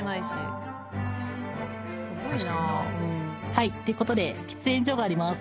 はいという事で喫煙所があります